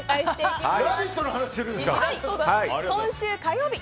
今週火曜日